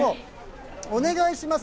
お願いします。